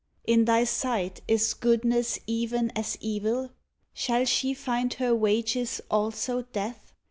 In thy sight Is Goodness even as Evil? Shall she find Her wages also death?